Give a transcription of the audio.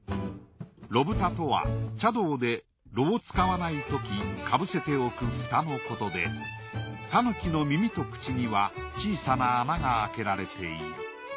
炉蓋とは茶道で炉を使わないときかぶせておく蓋のことで狸の耳と口には小さな穴が開けられている。